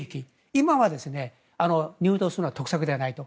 今は入党するのは得策ではないと。